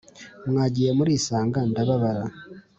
mwagiye muransiga ndababara